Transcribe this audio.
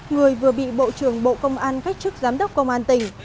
người vừa bị bộ trưởng bộ công an khách trức giám đốc công an tỉnh